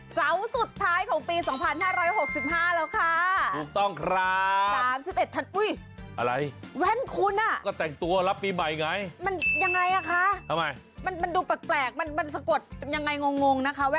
เสาร์สุดท้ายของปี๒๕๖๕แล้วค่ะถูกต้องครับ